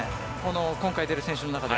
今回出る選手の中で。